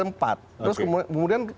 empat terus kemudian